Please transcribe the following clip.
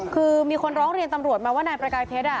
คือมีคนร้องเรียนตำรวจมาว่านายประกายเพชร